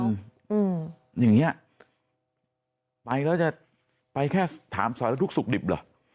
อืมอย่างเงี้ยไปแล้วจะไปแค่ถามสารทุกข์สุขดิบเหรอ